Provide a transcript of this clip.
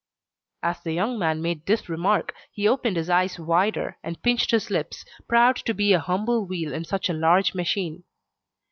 As the young man made this remark, he opened his eyes wider, and pinched his lips, proud to be a humble wheel in such a large machine.